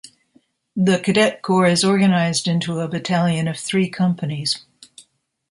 The cadet corps is organized into a battalion of three companies.